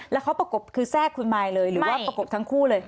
แล้วเขาประกบคือแทรกคุณมายเลยหรือว่าประกบทั้งคู่เลย